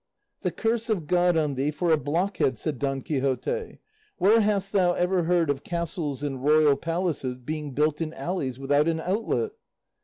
"The curse of God on thee for a blockhead!" said Don Quixote; "where hast thou ever heard of castles and royal palaces being built in alleys without an outlet?"